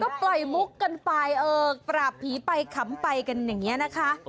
ก็ไปมุกกันไปประผีไปขำไปกันอย่างนี้นะคะ